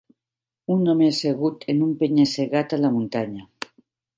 Un home assegut en un penya-segat a la muntanya.